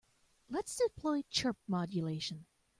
Let's deploy chirp modulation.